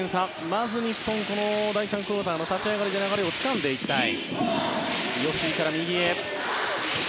まず日本、第３クオーターの立ち上がりで流れをつかんでいきたい。